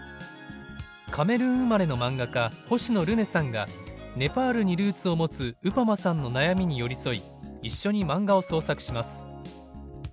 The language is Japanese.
カメルーン生まれの漫画家星野ルネさんがネパールにルーツを持つウパマさんの悩みに寄り添い一緒に漫画を創作します。